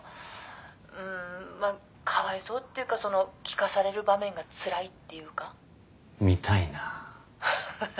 うーんまあかわいそうっていうかその聞かされる場面がつらいっていうか見たいなははは